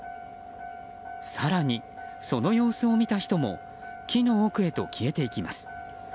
更に、その様子を見た人も木の奥へと消えていきます。